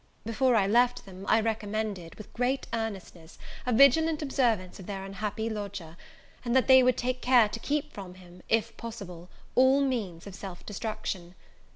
Before I left them, I recommended, with great earnestness, a vigilant observance of their unhappy lodger; and that they would take care to keep from him, if possible, all means of self destruction.